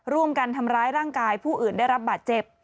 ร่วมกันทำร้ายร่างกายผู้อื่นได้รับบาดเจ็บ